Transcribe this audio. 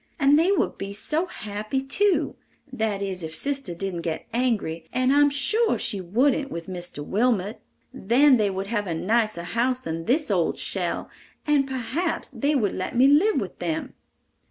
And they would be so happy, too—that is if sister didn't get angry, and I am sure she wouldn't with Mr. Wilmot. Then they would have a nicer house than this old shell, and perhaps they would let me live with them!"